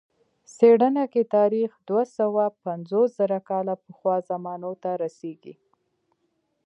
څېړنه کې تاریخ دوه سوه پنځوس زره کاله پخوا زمانو ته رسېږي.